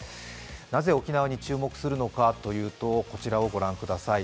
なぜ沖縄に注目するのかというとこちらをご覧ください。